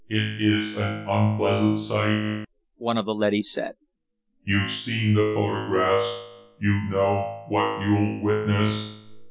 "It is an unpleasant sight," one of the leadys said. "You've seen the photographs; you know what you'll witness.